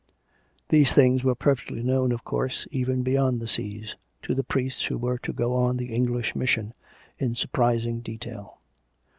These things were perfectly known, of course, even beyond the seas, to the priests who were to go on the English mission, in surprising detail.